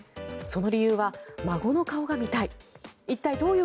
その理由は孫の顔が見たい。